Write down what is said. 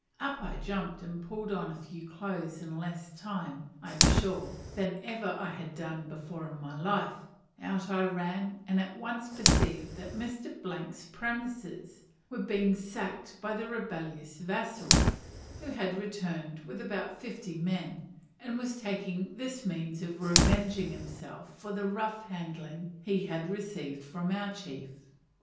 Up I jumped, and pulling on a few clothes in less time, I am sure, than ever I had done before my in life, out I ran, and at once perceived that Mr. 's premises were being sacked by the rebellious vassal, who had returned with about fifty men, and was taking this means of revenging himself for the rough handling he had received from our chief.